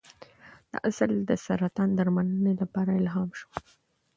دا اصل د سرطان درملنې لپاره الهام شو.